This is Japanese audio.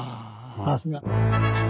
さすが。